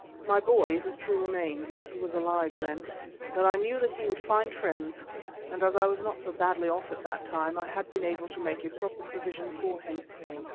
My boy, it is true, remained (he was alive then), but I knew that he would find friends, and as I was not so badly off at that time, I had been able to make a proper provision for him.